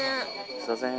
すいません。